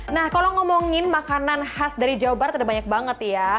nah kalau ngomongin makanan khas dari jawa barat ada banyak banget ya